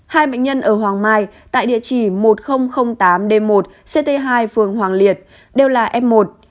hai bệnh nhân ở hoàng mai tại địa chỉ một nghìn tám d một ct hai phường hoàng liệt đều là f một